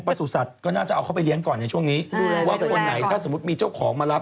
ประถูสัตว์ก็น่าจะเอาเข้าไปเลี้ยงก่อนในช่วงนี้น่ะถูกทุกคนไหนถ้าสมมติมีเจ้าของมา